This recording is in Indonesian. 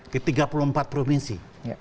di tiga puluh empat provinsi